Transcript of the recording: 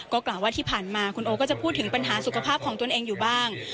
ก็กล่าวว่าที่ผ่านมาคุณโอก็จะพูดถึงปัญหาสุขภาพของตนเองอยู่บ้าง